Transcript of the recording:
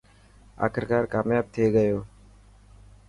آخرڪار ڪامياب ٿي گيو.